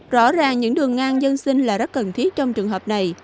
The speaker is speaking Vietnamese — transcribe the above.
rõ ràng những đường ngang dân sinh là rất cần thiết trong trường hợp này